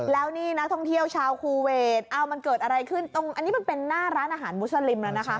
แล้วนี่นักท่องเที่ยวชาวคูเวทมันเกิดอะไรขึ้นตรงนี้มันเป็นหน้าร้านอาหารมุสลิมแล้วนะคะ